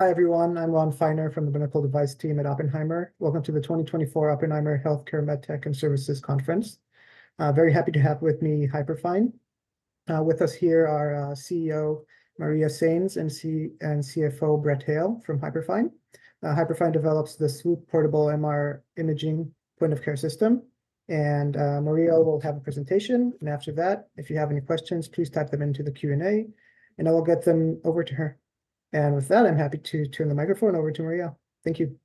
Hi everyone, I'm Ron Feiner from the Medical Device Team at Oppenheimer. Welcome to the 2024 Oppenheimer Healthcare MedTech and Services Conference. Very happy to have with me Hyperfine. With us here are CEO Maria Sainz and CFO Brett Hale from Hyperfine. Hyperfine develops the Swoop Portable MR Imaging point-of-care system, and Maria will have a presentation. After that, if you have any questions, please type them into the Q&A, and I will get them over to her. With that, I'm happy to turn the microphone over to Maria. Thank you.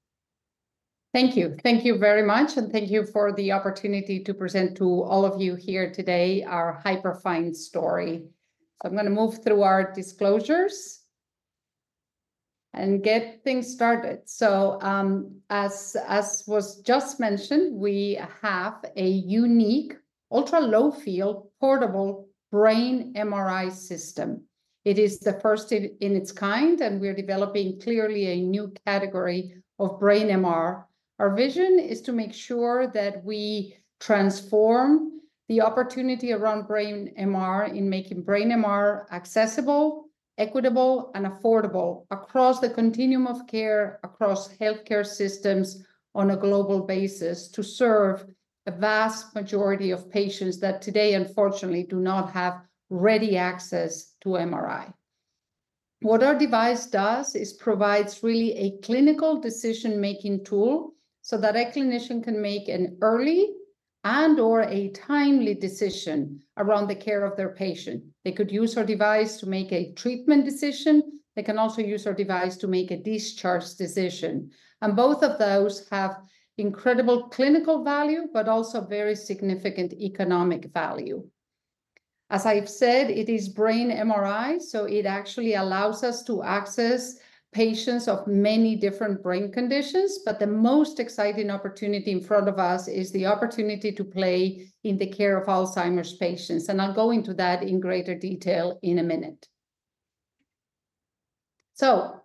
Thank you. Thank you very much, and thank you for the opportunity to present to all of you here today our Hyperfine story. So I'm going to move through our disclosures and get things started. So, as was just mentioned, we have a unique ultra-low field portable brain MRI system. It is the first in its kind, and we're developing clearly a new category of brain MR. Our vision is to make sure that we transform the opportunity around brain MR in making brain MR accessible, equitable, and affordable across the continuum of care, across healthcare systems on a global basis, to serve a vast majority of patients that today, unfortunately, do not have ready access to MRI. What our device does is provides really a clinical decision-making tool so that a clinician can make an early and/or a timely decision around the care of their patient. They could use our device to make a treatment decision. They can also use our device to make a discharge decision, and both of those have incredible clinical value, but also very significant economic value. As I've said, it is brain MRI, so it actually allows us to access patients of many different brain conditions. But the most exciting opportunity in front of us is the opportunity to play in the care of Alzheimer's patients, and I'll go into that in greater detail in a minute. So,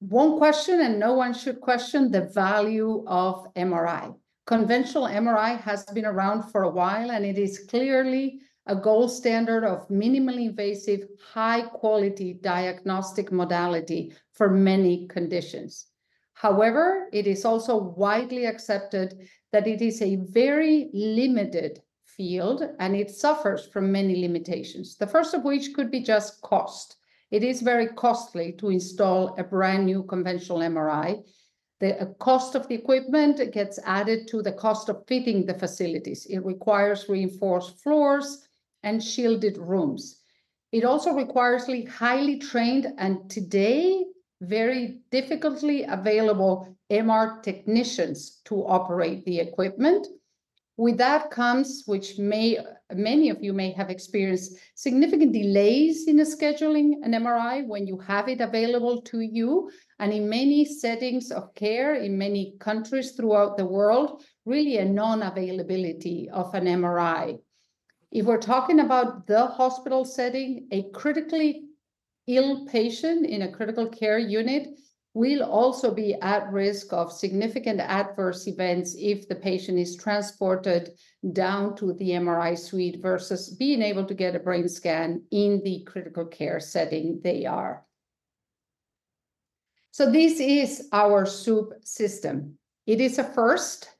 one question, and no one should question the value of MRI. Conventional MRI has been around for a while, and it is clearly a gold standard of minimally invasive, high-quality diagnostic modality for many conditions. However, it is also widely accepted that it is a very limited field, and it suffers from many limitations, the first of which could be just cost. It is very costly to install a brand new conventional MRI. The cost of the equipment gets added to the cost of fitting the facilities. It requires reinforced floors and shielded rooms. It also requires highly trained and today very difficultly available MR technicians to operate the equipment. With that comes, which many of you may have experienced, significant delays in scheduling an MRI when you have it available to you, and in many settings of care in many countries throughout the world, really a non-availability of an MRI. If we're talking about the hospital setting, a critically ill patient in a critical care unit will also be at risk of significant adverse events if the patient is transported down to the MRI suite versus being able to get a brain scan in the critical care setting they are. So this is our Swoop system. It is a first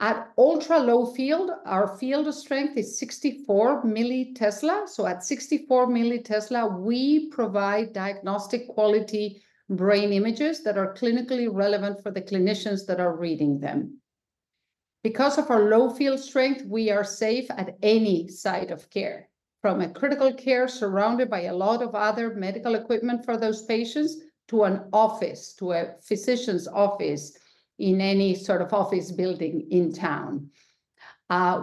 at ultra-low-field. Our field of strength is 64 millitesla. So at 64 millitesla, we provide diagnostic quality brain images that are clinically relevant for the clinicians that are reading them. Because of our low field strength, we are safe at any site of care, from a critical care surrounded by a lot of other medical equipment for those patients to an office, to a physician's office in any sort of office building in town.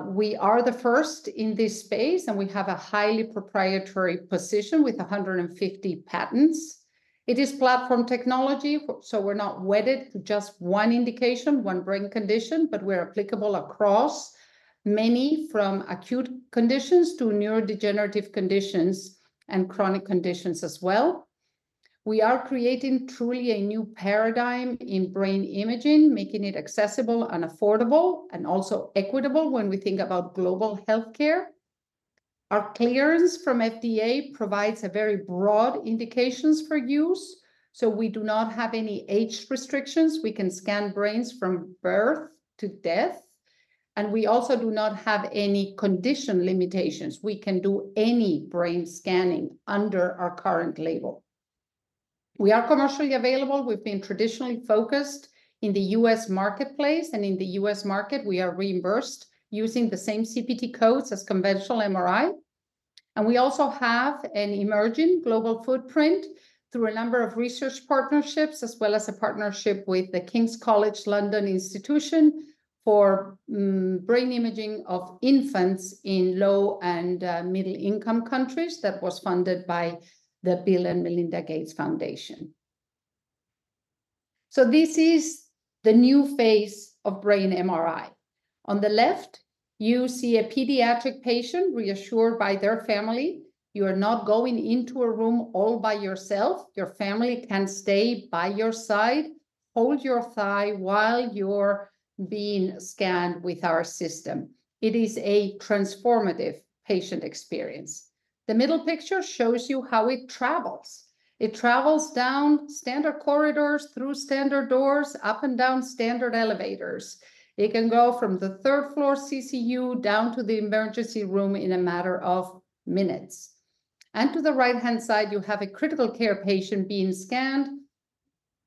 We are the first in this space, and we have a highly proprietary position with 150 patents. It is platform technology, so we're not wedded to just one indication, one brain condition, but we're applicable across many, from acute conditions to neurodegenerative conditions and chronic conditions as well. We are creating truly a new paradigm in brain imaging, making it accessible and affordable, and also equitable. When we think about global healthcare, our clearance from FDA provides very broad indications for use. So we do not have any age restrictions. We can scan brains from birth to death. And we also do not have any condition limitations. We can do any brain scanning under our current label. We are commercially available. We've been traditionally focused in the U.S. marketplace, and in the U.S. market we are reimbursed using the same CPT codes as conventional MRI. And we also have an emerging global footprint through a number of research partnerships, as well as a partnership with the King's College London for brain imaging of infants in low and middle-income countries. That was funded by the Bill & Melinda Gates Foundation. So this is the new phase of brain MRI. On the left, you see a pediatric patient reassured by their family. You are not going into a room all by yourself. Your family can stay by your side, hold your thigh while you're being scanned with our system. It is a transformative patient experience. The middle picture shows you how it travels. It travels down standard corridors through standard doors, up and down standard elevators. It can go from the third floor CCU down to the emergency room in a matter of minutes. To the right-hand side, you have a critical care patient being scanned.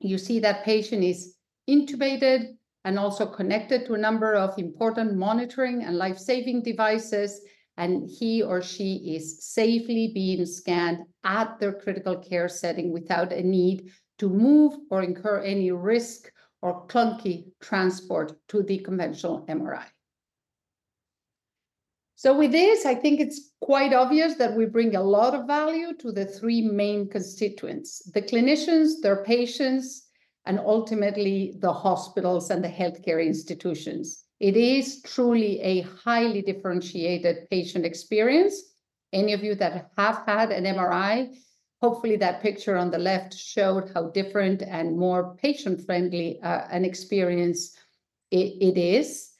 You see that patient is intubated and also connected to a number of important monitoring and life-saving devices, and he or she is safely being scanned at their critical care setting without a need to move or incur any risk or clunky transport to the conventional MRI. With this, I think it's quite obvious that we bring a lot of value to the three main constituents: the clinicians, their patients, and ultimately the hospitals and the healthcare institutions. It is truly a highly differentiated patient experience. Any of you that have had an MRI, hopefully, that picture on the left showed how different and more patient-friendly an experience it is.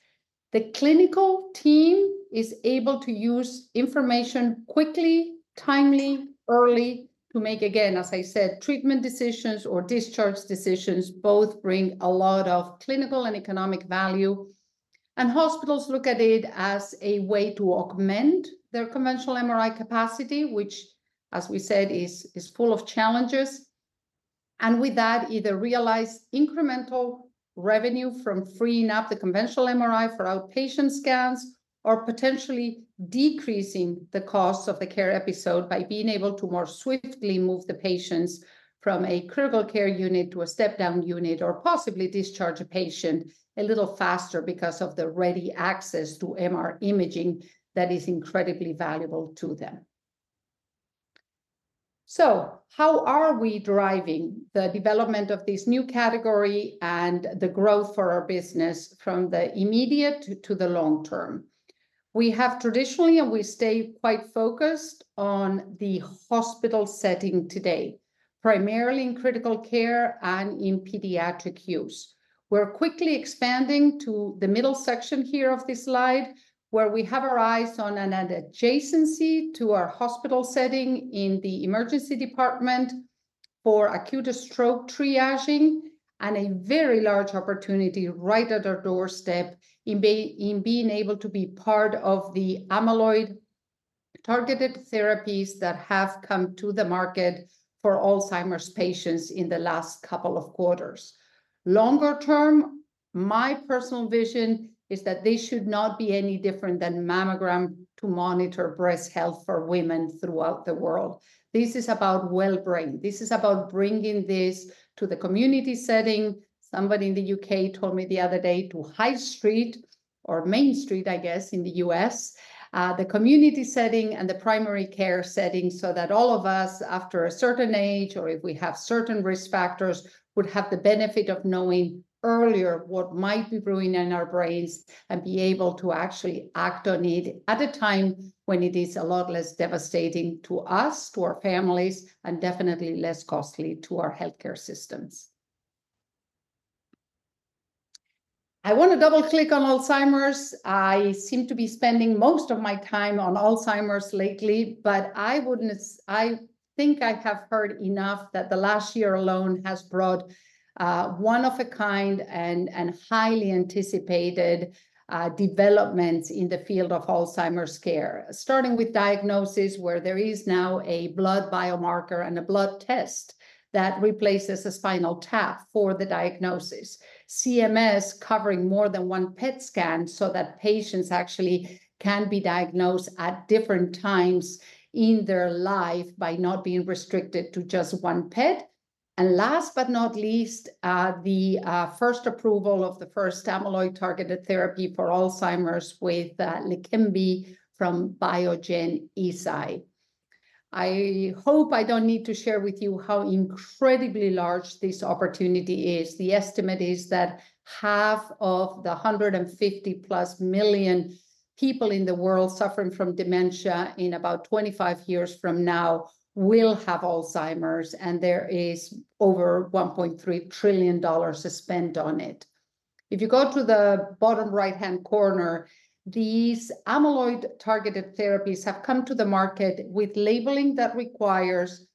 The clinical team is able to use information quickly, timely, early, to make, again, as I said, treatment decisions or discharge decisions. Both bring a lot of clinical and economic value. Hospitals look at it as a way to augment their conventional MRI capacity, which, as we said, is full of challenges. And with that, either realize incremental revenue from freeing up the conventional MRI for outpatient scans, or potentially decreasing the cost of the care episode by being able to more swiftly move the patients from a critical care unit to a step-down unit, or possibly discharge a patient a little faster because of the ready access to MR imaging that is incredibly valuable to them. So how are we driving the development of this new category and the growth for our business from the immediate to the long term? We have traditionally, and we stay quite focused on the hospital setting today, primarily in critical care and in pediatric use. We're quickly expanding to the middle section here of this slide, where we have our eyes on an adjacency to our hospital setting in the emergency department for acute stroke triaging, and a very large opportunity right at our doorstep in being able to be part of the amyloid targeted therapies that have come to the market for Alzheimer's patients in the last couple of quarters. Longer term, my personal vision is that they should not be any different than mammograms to monitor breast health for women throughout the world. This is about well-brained. This is about bringing this to the community setting. Somebody in the U.K. told me the other day to High Street or Main Street, I guess, in the US, the community setting and the primary care setting, so that all of us, after a certain age, or if we have certain risk factors, would have the benefit of knowing earlier what might be brewing in our brains and be able to actually act on it at a time when it is a lot less devastating to us, to our families, and definitely less costly to our healthcare systems. I want to double-click on Alzheimer's. I seem to be spending most of my time on Alzheimer's lately, but I wouldn't. I think I have heard enough that the last year alone has brought one-of-a-kind and highly anticipated developments in the field of Alzheimer's care, starting with diagnosis, where there is now a blood biomarker and a blood test that replaces a spinal tap for the diagnosis, CMS covering more than one PET scan, so that patients actually can be diagnosed at different times in their life by not being restricted to just one PET. And last, but not least, the first approval of the first amyloid-targeted therapy for Alzheimer's with Leqembi from Biogen and Eisai. I hope I don't need to share with you how incredibly large this opportunity is. The estimate is that half of the 150+ million people in the world suffering from dementia in about 25 years from now will have Alzheimer's, and there is over $1.3 trillion to spend on it. If you go to the bottom right-hand corner, these amyloid targeted therapies have come to the market with labeling that requires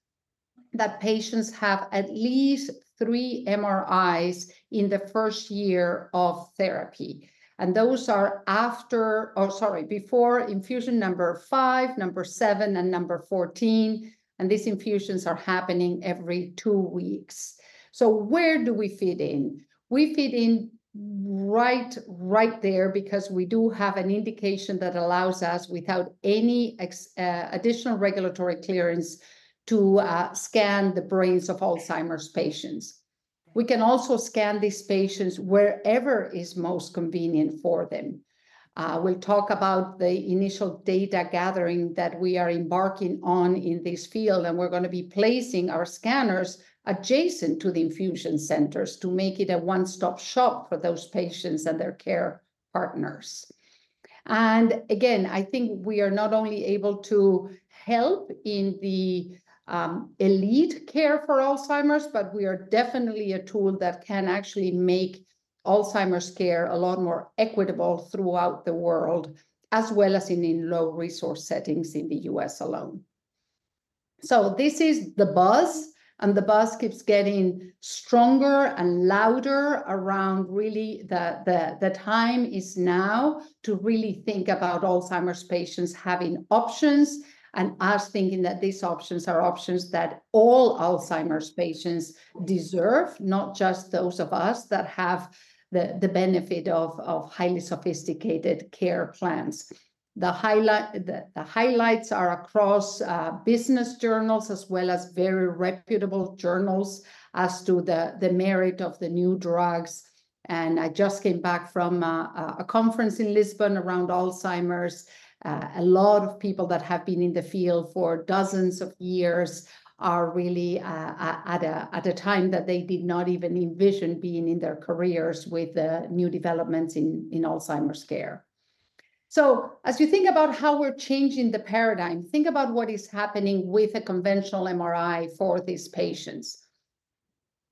that patients have at least 3 MRIs in the first year of therapy, and those are after, or sorry, before infusion number 5, number 7, and number 14. These infusions are happening every two weeks. So where do we fit in? We fit in right right there, because we do have an indication that allows us, without any additional regulatory clearance, to scan the brains of Alzheimer's patients. We can also scan these patients wherever is most convenient for them. We'll talk about the initial data gathering that we are embarking on in this field, and we're going to be placing our scanners adjacent to the infusion centers to make it a one-stop shop for those patients and their care partners. Again, I think we are not only able to help in the elite care for Alzheimer's, but we are definitely a tool that can actually make Alzheimer's care a lot more equitable throughout the world, as well as in low-resource settings in the US alone. This is the buzz, and the buzz keeps getting stronger and louder around really the time is now to really think about Alzheimer's patients having options, and us thinking that these options are options that all Alzheimer's patients deserve, not just those of us that have the benefit of highly sophisticated care plans. The highlights are across business journals, as well as very reputable journals as to the merit of the new drugs. I just came back from a conference in Lisbon around Alzheimer's. A lot of people that have been in the field for dozens of years are really at a time that they did not even envision being in their careers with new developments in Alzheimer's care. So as you think about how we're changing the paradigm, think about what is happening with a conventional MRI for these patients.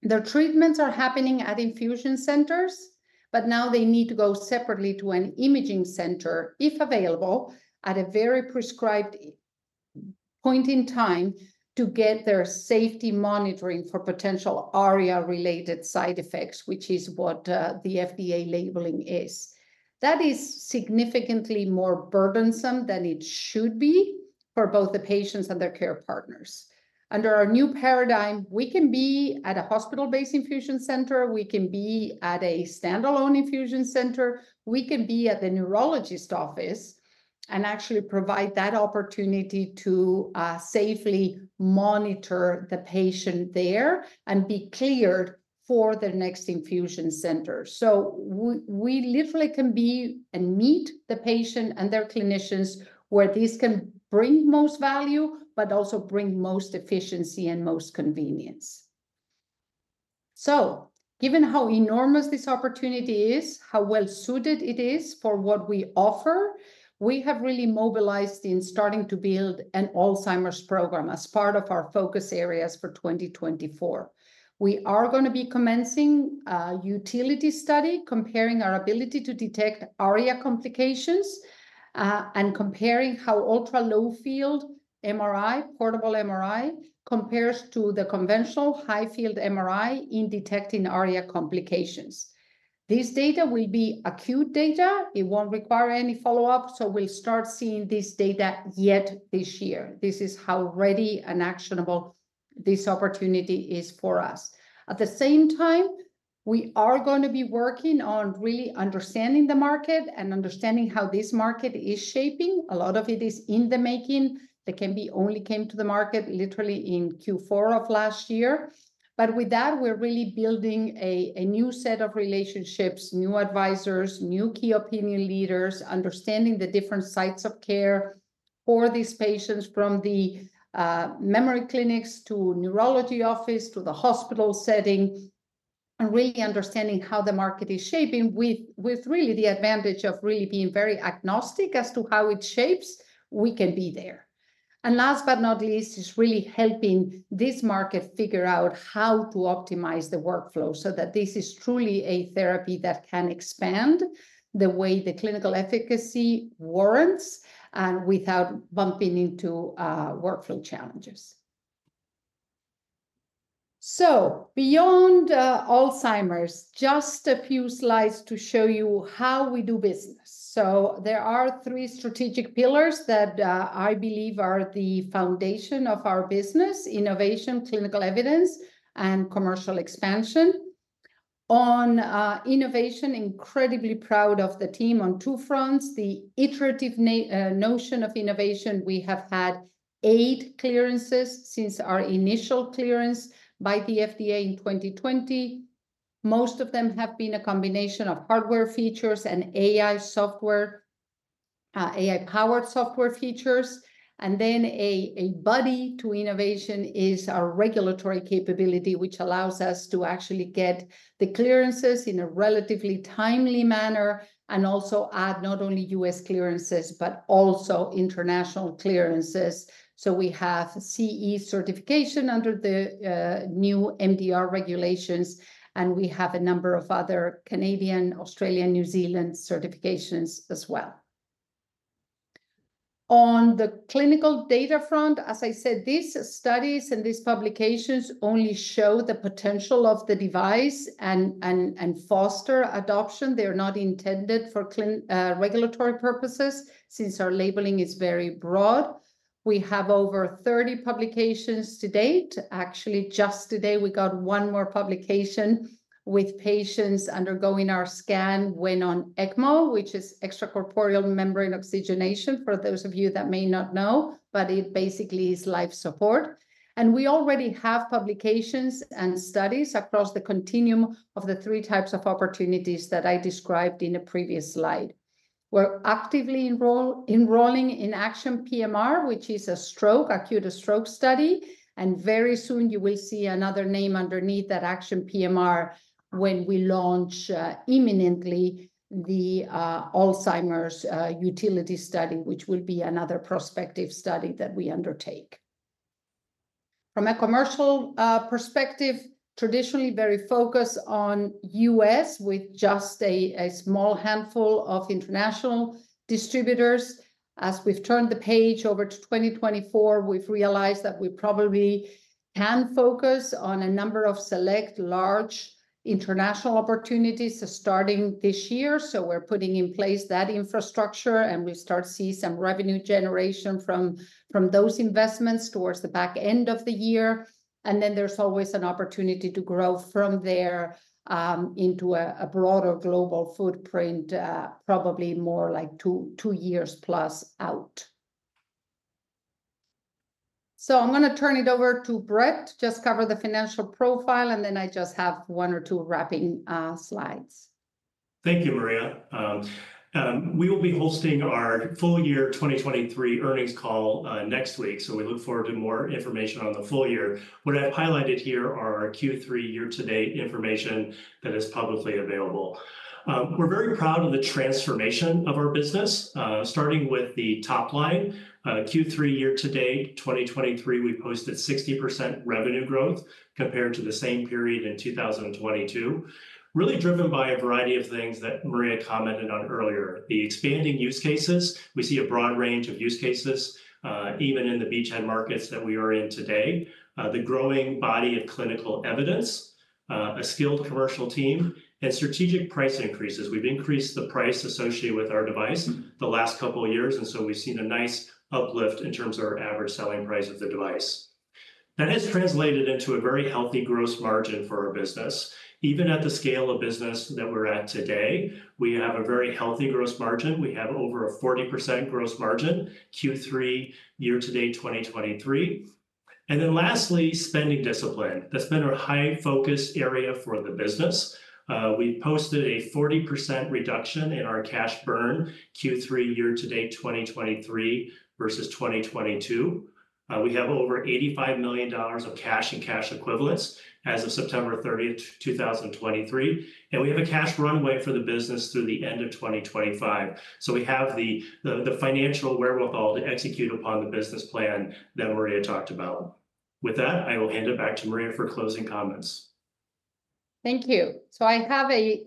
Their treatments are happening at infusion centers. But now they need to go separately to an imaging center, if available, at a very prescribed point in time to get their safety monitoring for potential ARIA-related side effects, which is what the FDA labeling is. That is significantly more burdensome than it should be for both the patients and their care partners. Under our new paradigm, we can be at a hospital-based infusion center. We can be at a standalone infusion center. We can be at the neurologist's office and actually provide that opportunity to safely monitor the patient there and be cleared for the next infusion center. So we literally can be and meet the patient and their clinicians where these can bring most value, but also bring most efficiency and most convenience. So given how enormous this opportunity is, how well suited it is for what we offer, we have really mobilized in starting to build an Alzheimer's program as part of our focus areas for 2024. We are going to be commencing a utility study, comparing our ability to detect ARIA complications and comparing how Ultra-Low Field MRI, portable MRI, compares to the conventional high-field MRI in detecting ARIA complications. This data will be acute data. It won't require any follow-up, so we'll start seeing this data yet this year. This is how ready and actionable this opportunity is for us. At the same time, we are going to be working on really understanding the market and understanding how this market is shaping. A lot of it is in the making. LEQEMBI only came to the market literally in Q4 of last year. But with that, we're really building a new set of relationships, new advisors, new key opinion leaders, understanding the different sites of care for these patients, from the memory clinics to neurology office to the hospital setting. And really understanding how the market is shaping with really the advantage of really being very agnostic as to how it shapes. We can be there. Last, but not least, is really helping this market figure out how to optimize the workflow, so that this is truly a therapy that can expand the way the clinical efficacy warrants, and without bumping into workflow challenges. Beyond Alzheimer's, just a few slides to show you how we do business. There are three strategic pillars that I believe are the foundation of our business: innovation, clinical evidence, and commercial expansion. On innovation, incredibly proud of the team on two fronts, the iterative notion of innovation. We have had eight clearances since our initial clearance by the FDA in 2020. Most of them have been a combination of hardware features and AI software, AI-powered software features, and then a key to innovation is our regulatory capability, which allows us to actually get the clearances in a relatively timely manner, and also add not only U.S. clearances, but also international clearances. So we have CE certification under the new MDR regulations, and we have a number of other Canadian, Australian, New Zealand certifications as well. On the clinical data front, as I said, these studies and these publications only show the potential of the device and foster adoption. They're not intended for regulatory purposes, since our labeling is very broad. We have over 30 publications to date. Actually, just today we got one more publication with patients undergoing our scan when on ECMO, which is extracorporeal membrane oxygenation. For those of you that may not know, but it basically is life support. We already have publications and studies across the continuum of the three types of opportunities that I described in a previous slide. We're actively enrolling in ACTION PMR, which is a stroke, acute stroke study, and very soon you will see another name underneath that, ACTION PMR, when we launch imminently the Alzheimer's utility study, which will be another prospective study that we undertake. From a commercial perspective, traditionally very focused on U.S., with just a small handful of international distributors. As we've turned the page over to 2024, we've realized that we probably can focus on a number of select large international opportunities starting this year. So we're putting in place that infrastructure, and we start to see some revenue generation from those investments towards the back end of the year. Then there's always an opportunity to grow from there into a broader global footprint, probably more like 2 years plus out. So I'm going to turn it over to Brett, just cover the financial profile, and then I just have one or two wrapping slides. Thank you, Maria. We will be hosting our full year 2023 earnings call next week. So we look forward to more information on the full year. What I've highlighted here are our Q3 year-to-date information that is publicly available. We're very proud of the transformation of our business, starting with the top line. Q3 year-to-date 2023, we posted 60% revenue growth compared to the same period in 2022, really driven by a variety of things that Maria commented on earlier, the expanding use cases. We see a broad range of use cases, even in the beachhead markets that we are in today, the growing body of clinical evidence, a skilled commercial team, and strategic price increases. We've increased the price associated with our device the last couple of years. And so we've seen a nice uplift in terms of our average selling price of the device. That has translated into a very healthy gross margin for our business, even at the scale of business that we're at today. We have a very healthy gross margin. We have over 40% gross margin Q3 year to date 2023. And then, lastly, spending discipline. That's been our high focus area for the business. We posted a 40% reduction in our cash burn Q3 year to date 2023 versus 2022. We have over $85 million of cash and cash equivalents as of September 30th, 2023, and we have a cash runway for the business through the end of 2025. So we have the financial wherewithal to execute upon the business plan that Maria talked about. With that, I will hand it back to Maria for closing comments. Thank you. So I have a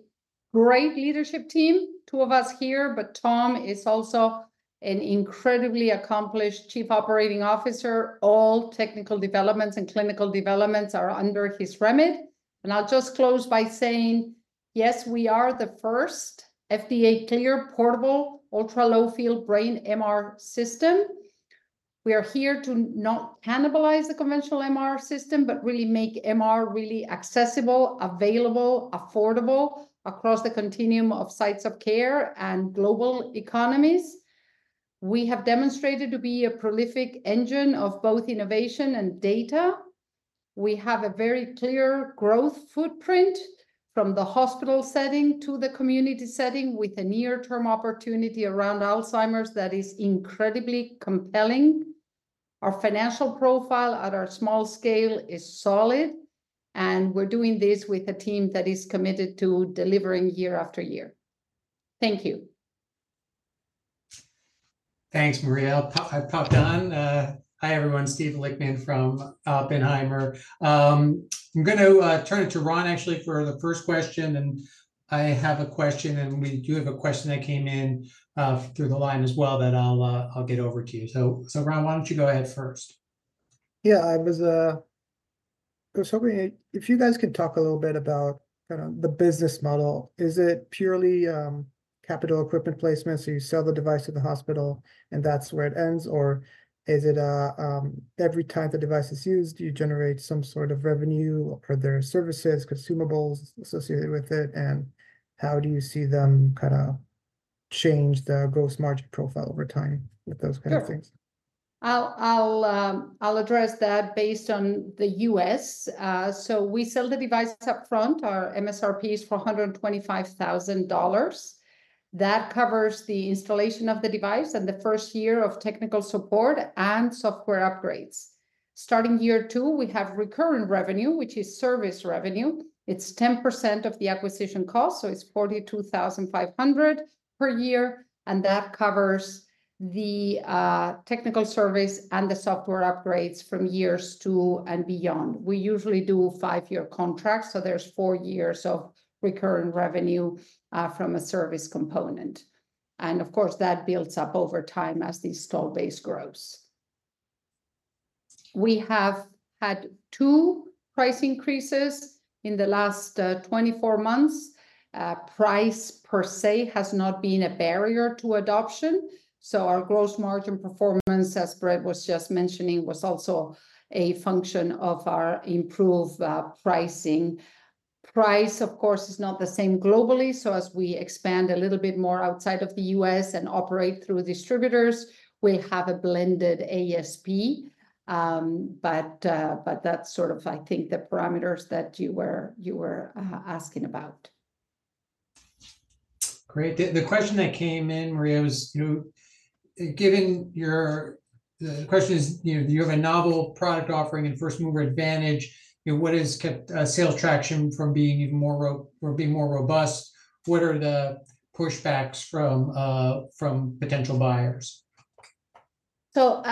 great leadership team, two of us here. But Tom is also an incredibly accomplished Chief Operating Officer. All technical developments and clinical developments are under his remit. And I'll just close by saying, yes, we are the first FDA-cleared, portable, ultra-low field brain MR system. We are here to not cannibalize the conventional MR system, but really make MR really accessible, available, affordable across the continuum of sites of care and global economies. We have demonstrated to be a prolific engine of both innovation and data. We have a very clear growth footprint from the hospital setting to the community setting, with a near-term opportunity around Alzheimer's that is incredibly compelling. Our financial profile at our small scale is solid. And we're doing this with a team that is committed to delivering year after year. Thank you. Thanks, Maria. I popped on. Hi, everyone. Steve Lichtman from Oppenheimer. I'm gonna turn it to Ron, actually, for the first question. And I have a question, and we do have a question that came in through the line as well that I'll get over to you. So Ron, why don't you go ahead first? Yeah. So if you guys can talk a little bit about kind of the business model. Is it purely capital equipment placement? So you sell the device to the hospital, and that's where it ends, or is it every time the device is used, do you generate some sort of revenue, or are there services, consumables associated with it? And how do you see them kind of change the gross margin profile over time with those kind of things? I'll address that based on the U.S. So we sell the device up front. Our MSRP is $425,000. That covers the installation of the device and the first year of technical support and software upgrades. Starting year two, we have recurrent revenue, which is service revenue. It's 10% of the acquisition cost. So it's $42,500 per year, and that covers the technical service and the software upgrades from years two and beyond. We usually do 5-year contracts. So there's four years of recurrent revenue from a service component. And of course, that builds up over time as the installed base grows. We have had two price increases in the last 24 months. Price, per se, has not been a barrier to adoption. So our gross margin performance, as Brett was just mentioning, was also a function of our improved pricing. Price, of course, is not the same globally. So as we expand a little bit more outside of the U.S. and operate through distributors, we'll have a blended ASP. But that's sort of, I think, the parameters that you were asking about. Great. The question that came in, Maria, was, you know. Given your the question is, you know, you have a novel product offering and first mover advantage. You know, what has kept sales traction from being even more rapid or being more robust? What are the pushbacks from potential buyers? So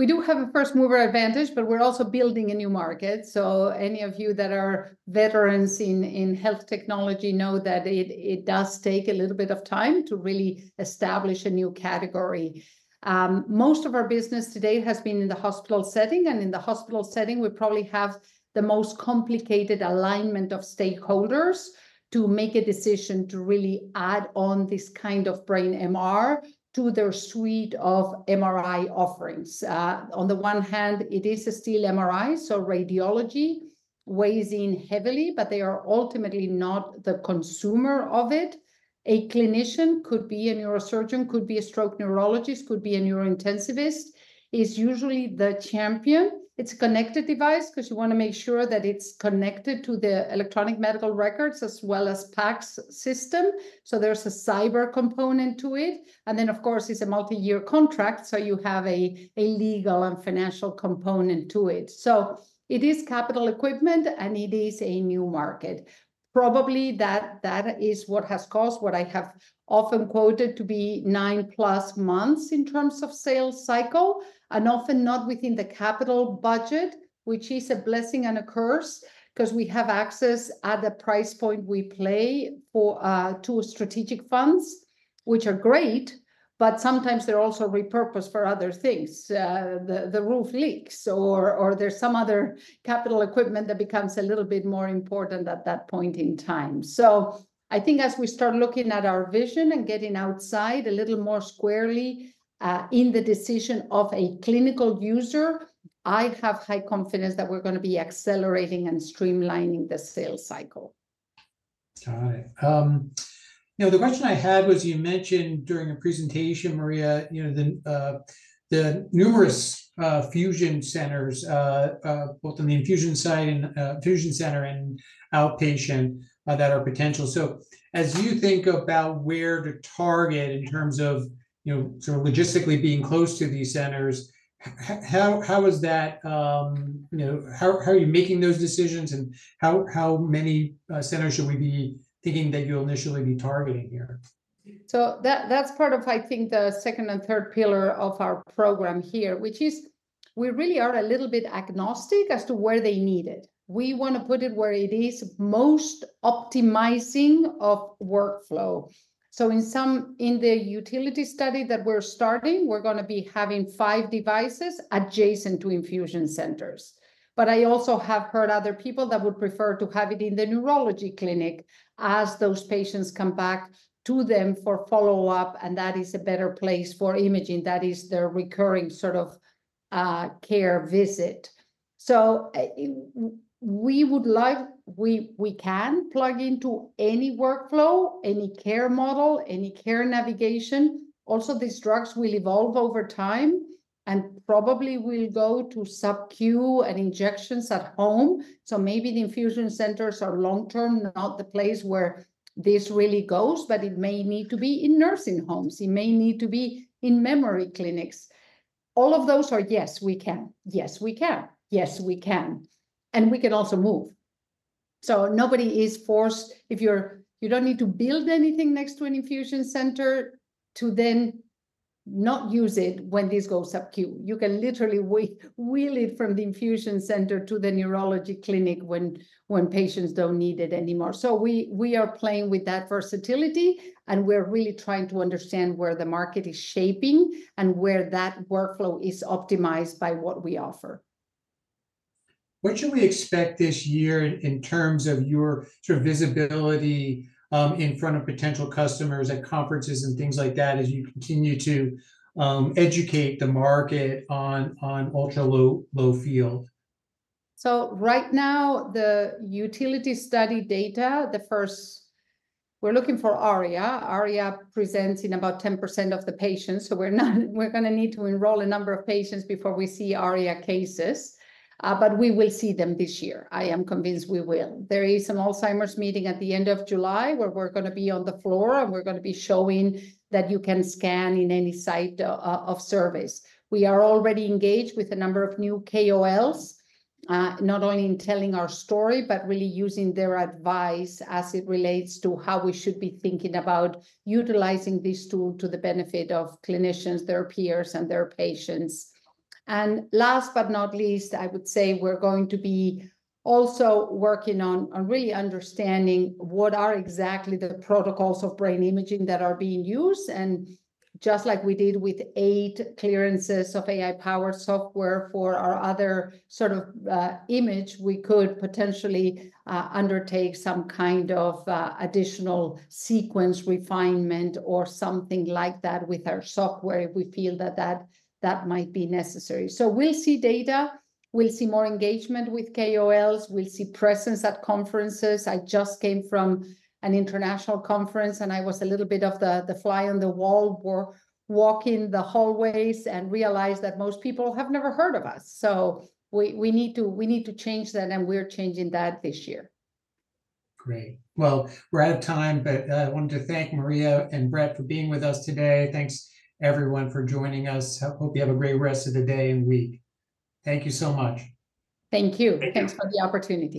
we do have a first mover advantage, but we're also building a new market. So any of you that are veterans in health technology know that it does take a little bit of time to really establish a new category. Most of our business to date has been in the hospital setting, and in the hospital setting we probably have the most complicated alignment of stakeholders to make a decision to really add on this kind of brain MR to their suite of MRI offerings. On the one hand, it is a still MRI. So radiology weighs in heavily, but they are ultimately not the consumer of it. A clinician could be a neurosurgeon, could be a stroke neurologist, could be a neurointensivist. It's usually the champion. It's a connected device, because you want to make sure that it's connected to the electronic medical records as well as PACS system. So there's a cyber component to it. And then, of course, it's a multi-year contract. So you have a legal and financial component to it. So it is capital equipment, and it is a new market. Probably that is what has caused what I have often quoted to be 9+ months in terms of sales cycle, and often not within the capital budget, which is a blessing and a curse, because we have access at the price point we play for two strategic funds. Which are great. But sometimes they're also repurposed for other things. The roof leaks, or there's some other capital equipment that becomes a little bit more important at that point in time. So I think, as we start looking at our vision and getting outside a little more squarely in the decision of a clinical user, I have high confidence that we're gonna be accelerating and streamlining the sales cycle. All right. You know, the question I had was, you mentioned during a presentation, Maria, you know, the numerous infusion centers, both on the infusion side and infusion center and outpatient that are potential. So as you think about where to target in terms of, you know, sort of logistically being close to these centers. How is that? You know, how are you making those decisions? And how many centers should we be thinking that you'll initially be targeting here? So that's part of, I think, the second and third pillar of our program here, which is. We really are a little bit agnostic as to where they need it. We want to put it where it is most optimizing of workflow. So in some in the utility study that we're starting, we're gonna be having five devices adjacent to infusion centers. But I also have heard other people that would prefer to have it in the neurology clinic as those patients come back to them for follow up. And that is a better place for imaging. That is their recurring sort of care visit. So we would like. We can plug into any workflow, any care model, any care navigation. Also, these drugs will evolve over time. And probably will go to sub-Q and injections at home. So maybe the infusion centers are long term, not the place where this really goes, but it may need to be in nursing homes. It may need to be in memory clinics. All of those are. Yes, we can. Yes, we can. Yes, we can. And we can also move. So nobody is forced. If you're you don't need to build anything next to an infusion center to then not use it when this goes sub-Q. You can literally wheel it from the infusion center to the neurology clinic when patients don't need it anymore. So we are playing with that versatility, and we're really trying to understand where the market is shaping and where that workflow is optimized by what we offer. What should we expect this year in terms of your sort of visibility in front of potential customers at conferences and things like that, as you continue to educate the market on ultra low low field. So right now, the utility study data, the first. We're looking for ARIA. ARIA presents in about 10% of the patients. So we're not. We're gonna need to enroll a number of patients before we see ARIA cases. But we will see them this year. I am convinced we will. There is an Alzheimer's meeting at the end of July where we're gonna be on the floor, and we're gonna be showing that you can scan in any site of service. We are already engaged with a number of new KOLs. Not only in telling our story, but really using their advice as it relates to how we should be thinking about utilizing this tool to the benefit of clinicians, their peers, and their patients. And last, but not least, I would say we're going to be also working on really understanding what are exactly the protocols of brain imaging that are being used. Just like we did with 8 clearances of AI powered software for our other sort of image, we could potentially undertake some kind of additional sequence refinement, or something like that with our software. If we feel that that might be necessary. So we'll see data. We'll see more engagement with KOLs. We'll see presence at conferences. I just came from an international conference, and I was a little bit of the fly on the wall, walking the hallways and realized that most people have never heard of us. So we need to. We need to change that, and we're changing that this year. Great. Well, we're out of time. I wanted to thank Maria and Brett for being with us today. Thanks, everyone, for joining us. Hope you have a great rest of the day and week. Thank you so much. Thank you. Thanks for the opportunity.